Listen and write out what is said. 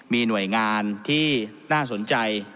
มีหน่วยงานที่น่าสนใจ